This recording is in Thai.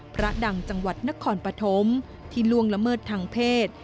พระดังจังหวัดนครปฐมที่ล่วงละเมิดทางเพศ